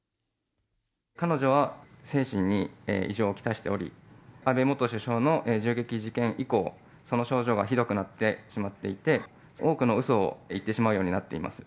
彼女は精神に異常をきたしており、安倍元首相の銃撃事件以降、その症状がひどくなってしまっていて、多くのうそを言ってしまうようになっています。